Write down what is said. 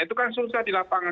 itu kan susah di lapangan